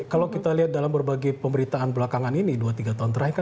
kalau kita lihat dalam berbagai pemberitaan belakangan ini dua tiga tahun terakhir